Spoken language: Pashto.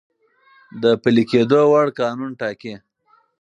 د پلی کیدو وړ قانون ټاکی ،